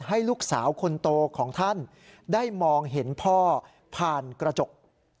ให้ลูกสาวคนโตของท่านได้มองเห็นพ่อผ่านกระจก